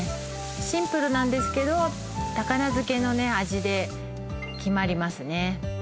シンプルなんですけど高菜漬けのね味で決まりますね